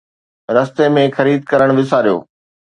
رستي ۾ خريد ڪرڻ وساريو